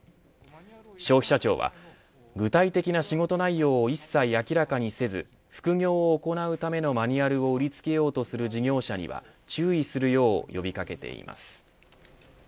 消費者庁は具体的な仕事内容を一切明らかにせず副業を行うためのマニュアルを売りつけようとする事業者には注意するよう呼び掛けています。